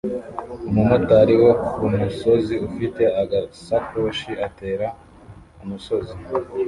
Umumotari wo kumusozi ufite agasakoshi atera umusozi